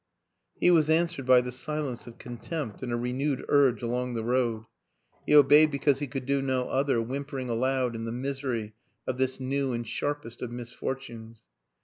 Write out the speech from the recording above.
He was answered by the silence of contempt and a renewed urge along the road; he obeyed because he could do no other, whimpering aloud in the misery of this new and sharpest of mis fortunes.